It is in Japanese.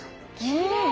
きれい！